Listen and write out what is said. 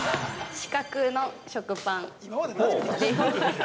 四角の食パンです。